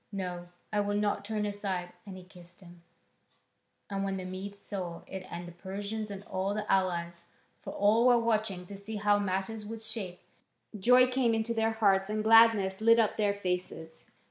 "No, I will not turn aside." And he kissed him. And when the Medes saw it and the Persians and all the allies for all were watching to see how matters would shape joy came into their hearts and gladness lit up their faces.